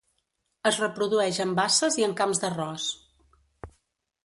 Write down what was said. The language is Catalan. Es reprodueix en basses i en camps d'arròs.